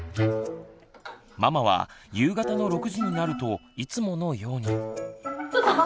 ママは夕方の６時になるといつものように。